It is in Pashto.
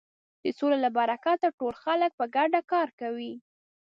د سولې له برکته ټول خلک په ګډه کار کوي.